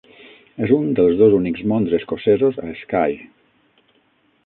És un dels dos únics monts escocesos a Skye.